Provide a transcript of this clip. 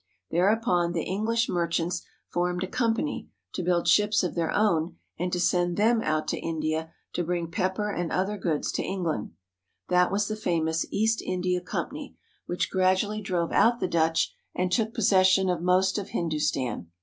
Thereupon, the EngHsh merchants formed a company to build ships of their own and to send them out to India to bring pepper and other goods to England. That was the famous East India Company which gradually drove out the Dutch, and took possession of most of Hindustan.